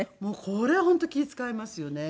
これは本当気ぃ使いますよね。